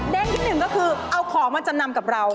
ที่หนึ่งก็คือเอาของมาจำนำกับเรา